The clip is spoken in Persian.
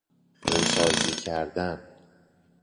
نوسازی کردن